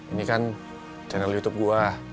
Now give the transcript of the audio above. ini kan channel youtube gue